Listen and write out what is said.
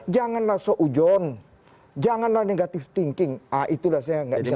janganlah seujon janganlah negative thinking itu saya nggak bisa terima